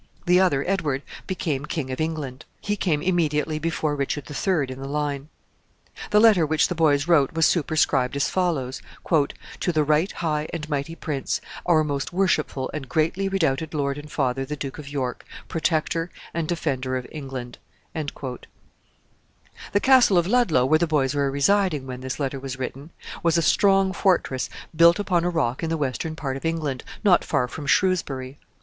The other, Edward, became King of England. He came immediately before Richard the Third in the line. The letter which the boys wrote was superscribed as follows: "To the right high and mighty prince, our most worshipful and greatly redoubted lord and father, the Duke of York, Protector and Defender of England." [Illustration: LUDLOW CASTLE.] The castle of Ludlow, where the boys were residing when this letter was written, was a strong fortress built upon a rock in the western part of England, not far from Shrewsbury.